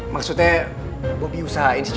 maksudnya bobi usahain secepatnya